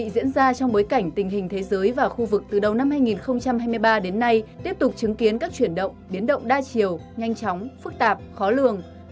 xin kính mời ông và các bạn theo dõi phần tổng hợp sau